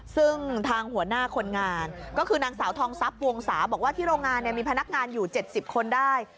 ซึ่งทางหัวหน้าคนงานก็คือนางสาวทองทรัพย์วงศาบอกว่าที่โรงงานมีพนักงานอยู่๗๐คนได้